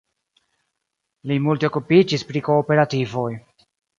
Li multe okupiĝis pri kooperativoj.